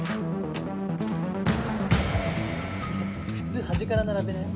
普通端から並べない？